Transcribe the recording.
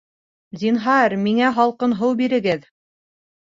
Зинһар, миңә һалҡын һыу бирегеҙ